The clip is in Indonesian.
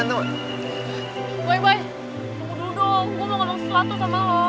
boy tunggu dulu